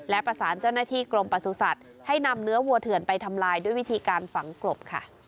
และประสานเจ้าหน้าที่กรมประสุทธิ์ให้นำเนื้อวัวเถื่อนไปทำลายด้วยวิธีการฝังกลบค่ะ